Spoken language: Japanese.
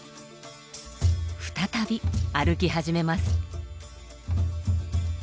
再び歩き始めます。